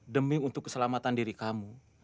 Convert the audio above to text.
demi untuk keselamatan diri kamu